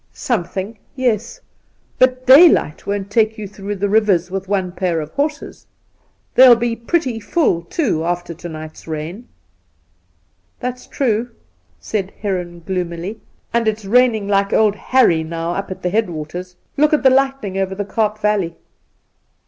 Something — yes ; but daylight won't take you through the rivers with one pair of horses. They'll be pretty full, too, after to night's rain.' ' That's true,' said Heron gloomily ;' and it's raining like old Harry now up at the headwaters. Look at the lightning over the Kaap Valley